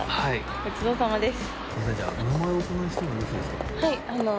ごちそうさまです。